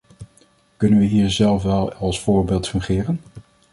Kunnen we hier zelf wel als voorbeeld fungeren?